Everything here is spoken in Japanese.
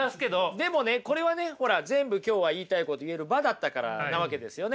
でもねこれはねほら全部今日は言いたいこと言える場だったからなわけですよね。